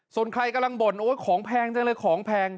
ส่วนใครกำลังบ่นโอ้ยของแพงจังเลยของแพง